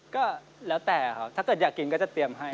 ก็แล้วแต่ครับถ้าเกิดอยากกินก็จะเตรียมให้